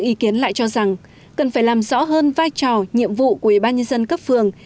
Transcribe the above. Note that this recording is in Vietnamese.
ý kiến lại cho rằng cần phải làm rõ hơn vai trò nhiệm vụ của ủy ban nhân dân cấp phường